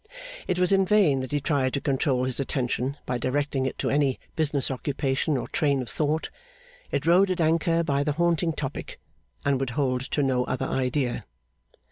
It was in vain that he tried to control his attention by directing it to any business occupation or train of thought; it rode at anchor by the haunting topic, and would hold to no other idea.